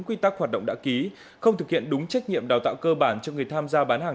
quy tắc hoạt động đã ký không thực hiện đúng trách nhiệm đào tạo cơ bản cho người tham gia bán hàng